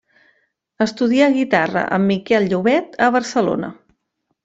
Estudià guitarra amb Miquel Llobet a Barcelona.